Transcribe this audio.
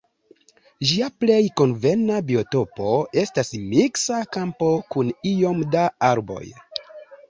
Ĝia plej konvena biotopo estas miksa kampo kun iom da arboj.